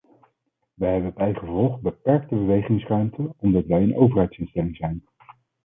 We hebben bijgevolg beperkte bewegingsruimte omdat wij een overheidsinstelling zijn.